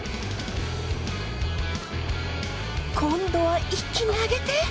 今度は一気に上げて！